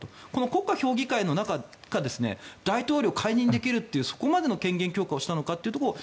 国家評議会の中から大統領解任できるというそこまでの権限強化をしたのかは。